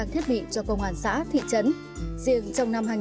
thiết bị cho công an xã thị trấn